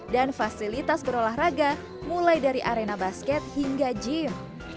dan fasilitas berolahraga mulai dari arena basket hingga gym